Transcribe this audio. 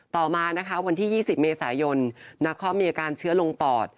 ต่อมานะคะวันที่๒๐เมษายนนาคอมมีอาการเชื้อลงปอด